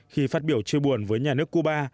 khi phát biểu chia buồn với nhà nước cuba